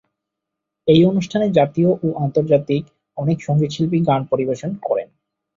এই অনুষ্ঠানে জাতীয় ও আন্তর্জাতিক অনেক সঙ্গীত শিল্পী গান পরিবেশন করেন।